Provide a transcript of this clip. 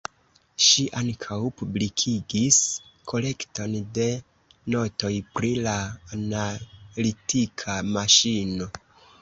Ŝi ankaŭ publikigis kolekton de notoj pri la analitika maŝino.